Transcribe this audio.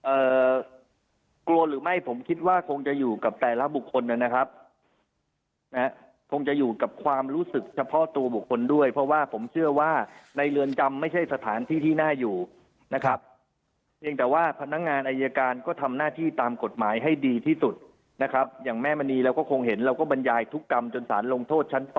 เอ่อกลัวหรือไม่ผมคิดว่าคงจะอยู่กับแต่ละบุคคลนะครับนะฮะคงจะอยู่กับความรู้สึกเฉพาะตัวบุคคลด้วยเพราะว่าผมเชื่อว่าในเรือนจำไม่ใช่สถานที่ที่น่าอยู่นะครับเพียงแต่ว่าพนักงานอายการก็ทำหน้าที่ตามกฎหมายให้ดีที่สุดนะครับอย่างแม่มณีเราก็คงเห็นเราก็บรรยายทุกกรรมจนสารลงโทษชั้น